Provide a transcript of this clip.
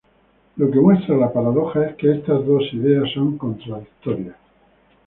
Lo que muestra la paradoja es que estas dos ideas son contradictorias.